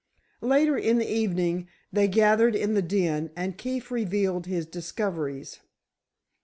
Later in the evening they gathered in the den and Keefe revealed his discoveries.